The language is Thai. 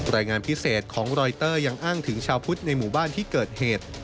รายงานพิเศษของรอยเตอร์ยังอ้างถึงชาวพุทธในหมู่บ้านที่เกิดเหตุ